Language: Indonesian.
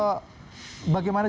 dan di beberapa tempat